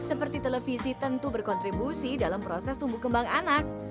seperti televisi tentu berkontribusi dalam proses tumbuh kembang anak